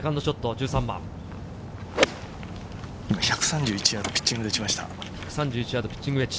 １３１ヤード、ピッチングで打ちました。